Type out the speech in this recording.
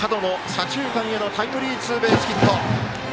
左中間へのタイムリーツーベースヒット。